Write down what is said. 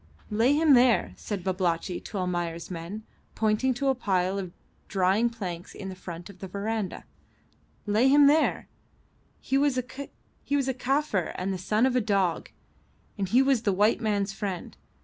"Lay him there," said Babalatchi to Almayer's men, pointing to a pile of drying planks in front of the verandah. "Lay him there. He was a Kaffir and the son of a dog, and he was the white man's friend.